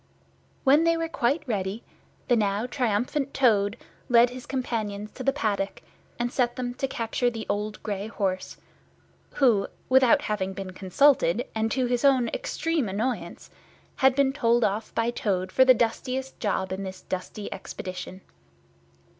When they were quite ready, the now triumphant Toad led his companions to the paddock and set them to capture the old grey horse, who, without having been consulted, and to his own extreme annoyance, had been told off by Toad for the dustiest job in this dusty expedition.